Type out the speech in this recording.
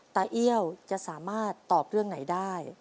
เอี้ยวจะสามารถตอบเรื่องไหนได้